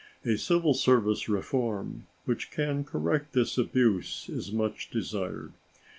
A civil service reform which can correct this abuse is much desired.